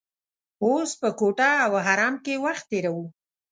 اوس په کوټه او حرم کې وخت تیروو.